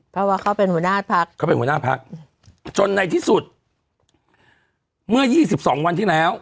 เพราะว่าเขาเป็นหัวหน้าพักเขาเป็นหัวหน้าพักจนในที่สุดเมื่อยี่สิบสองวันที่แล้ว